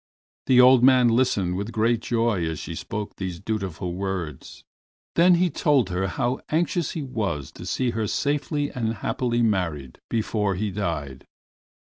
The old man listened with great joy as she spoke these dutiful words. Then he told her how anxious he was to see her safely and happily married before he died.